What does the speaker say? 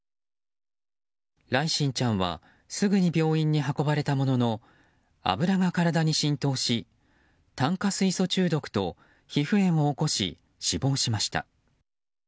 來心ちゃんはすぐに病院に運ばれたものの油が体に浸透し炭化水素中毒と皮膚炎を起こし死亡しました。